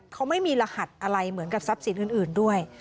เขาไม่มีรหัสอะไรเหมือนกับทรัพย์สินอื่นด้วย